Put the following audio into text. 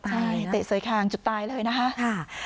ใช่เตะเสยคางจุดตายเลยนะคะ